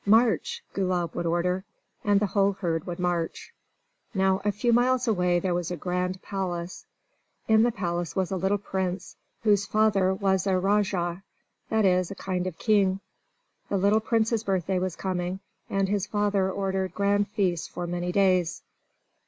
"March!" Gulab would order and the whole herd would march. Now, a few miles away there was a grand palace. In the palace was a little Prince, whose father was a Rajah that is, a kind of king. The little Prince's birthday was coming, and his father ordered grand feasts for many days.